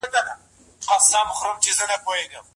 د ځمکې په سر د باران ورېدل یو ساینسي عمل دی.